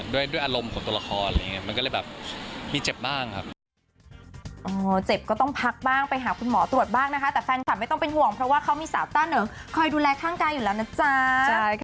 ด้วยอารมณ์ของตัวละครมันก็เลยแบบมีเจ็บบ้างครับ